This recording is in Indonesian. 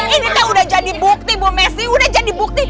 ini kan udah jadi bukti bu messi udah jadi bukti